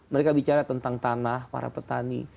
mereka bicara tentang tanah para petani